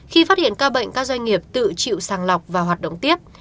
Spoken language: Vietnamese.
khi phát hiện ca bệnh các doanh nghiệp tự chịu sàng lọc và hoạt động tiếp